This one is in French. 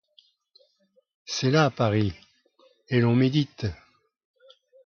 C'est là Paris, et l'on médite.